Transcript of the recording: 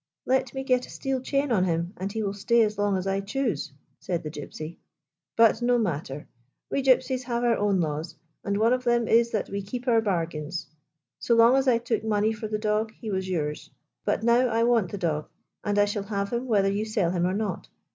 " Let me get a steel chain on him, and he will stay as long as I chose," said the Gypsy. " But no matter. We Gypsies have our own laws, and one of them is that we keep our bar gains. So long as I took money for the dog he was yours. But now I want the dog, and I shall have him whether you sell him or not.